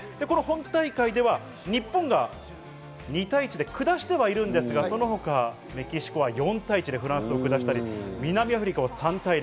本大会では日本が２対１で下してはいるんですが、その他メキシコは４対１でフランスを下したり、南アフリカを３対０。